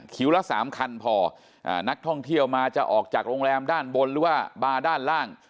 ละ๓คันพอนักท่องเที่ยวมาจะออกจากโรงแรมด้านบนหรือว่าบาร์ด้านล่าง